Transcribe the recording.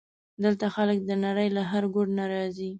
دلته خلک د نړۍ له هر ګوټ نه راځي.